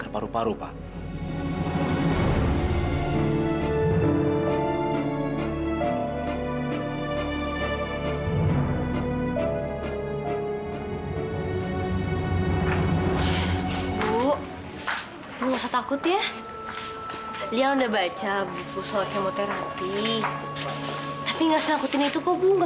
sampai jumpa di video selanjutnya